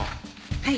はい。